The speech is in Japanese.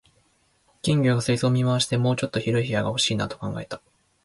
金魚が水槽を見回して、「もうちょっと広い部屋が欲しいな」と考えた